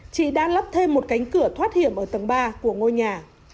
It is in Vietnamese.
chị đã lắp thêm một cánh cửa thoát hiểm ở tầng ba của ngôi nhà